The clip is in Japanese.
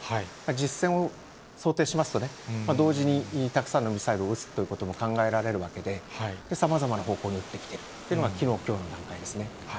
実戦を想定しますとね、同時にたくさんのミサイルを撃つということも、考えられるわけで、さまざまな方向に撃ってきているというのが、きのう、きょうの段階ですね。